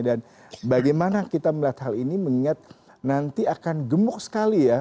dan bagaimana kita melihat hal ini mengingat nanti akan gemuk sekali ya